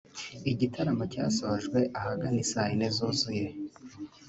Igitaramo cyasojwe ahagana isaa yine zuzuye